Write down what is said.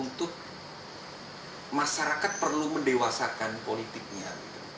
untuk masyarakat perlu mendewasakan politiknya